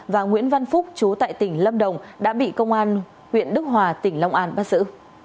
và nguyễn văn phúc chú tại tỉnh lâm đồng đã bị công an huyện đức hòa tỉnh long an bắt giữ